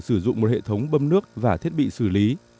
sử dụng một hệ thống bơm nước và thiết bị xử lý